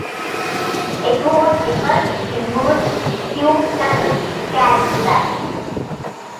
It was the first immersed tube tunnel to carry traffic.